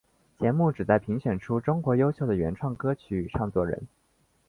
节目旨在评选出中国优秀的原创歌曲与唱作人。